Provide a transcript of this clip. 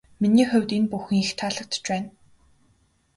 Миний хувьд энэ бүхэн их таалагдаж байна.